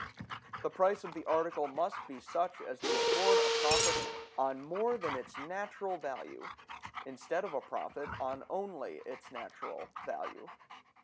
The price of the article must be such as to afford a profit on more than its natural value, instead of a profit on only its natural value.